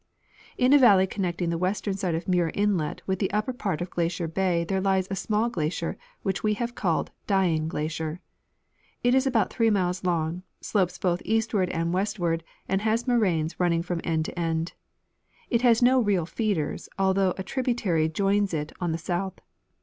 In a valley connecting the western side of Muir inlet with the upper part of Glacier bay there lies a small glacier which we have called Dying glacier. It is about 3 miles long, slopes both eastward and westward, and has moraines running from end to end. It has no real feeders, although a tributary joins it on the south.